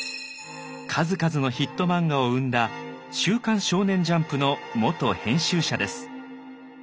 数々のヒット漫画を生んだ「週刊少年ジャンプ」の元編集者です。